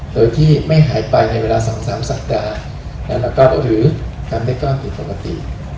โดยที่ไม่หายไปในเวลา๒๓สัปดาห์หรือก็ทำได้ก็อมผิดปกติ